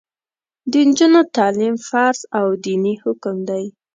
د نجونو تعلیم فرض او دیني حکم دی.